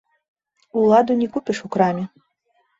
Уладу не купіш у краме.